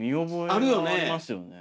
あるよね！